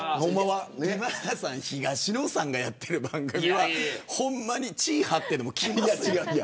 今田さん、東野さんがやってる番組はほんまに地をはってでも来ますよ。